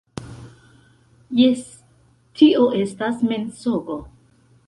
- Jes, - Tio estas mensogo.